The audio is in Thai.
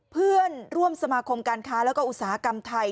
เพื่อนร่วมสมาคมการค้าแล้วก็อุตสาหกรรมไทย